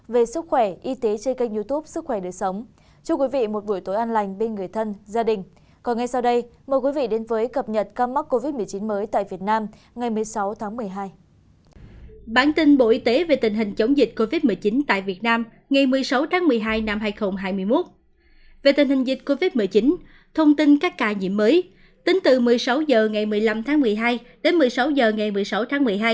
về tình hình dịch covid một mươi chín thông tin các ca nhiễm mới tính từ một mươi sáu h ngày một mươi năm tháng một mươi hai đến một mươi sáu h ngày một mươi sáu tháng một mươi hai